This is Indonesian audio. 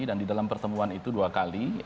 dan di dalam pertemuan itu dua kali